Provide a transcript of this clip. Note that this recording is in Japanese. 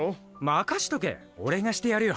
任しとけ俺がしてやるよ